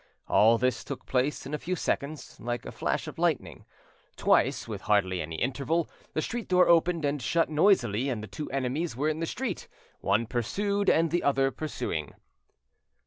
All this took place in a few seconds, like a flash of lightning. Twice, with hardly any interval, the street door opened and shut noisily, and the two enemies were in the street, one pursued and the other pursuing.